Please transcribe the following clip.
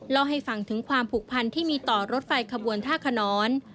เล่าให้ฟังถึงความผูกพันที่มีต่อรถไฟขบวนท่าขนอน